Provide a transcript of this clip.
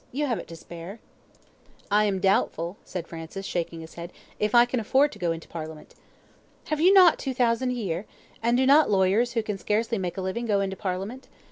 you have it to spare." "I am doubtful," said Francis, shaking his head, "if I can afford to go into Parliament." "Have you not two thousand a year? and do not lawyers who can scarcely make a living go into Parliament?